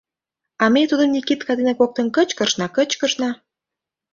А ме тудым Никитка дене коктын кычкырышна, кычкырышна...